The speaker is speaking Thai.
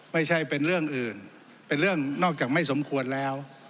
ไม่ใช่เป็นเรื่องอื่นเป็นเรื่องนอกจากไม่สมควรแล้ว